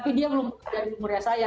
tapi dia belum diada di umurnya saya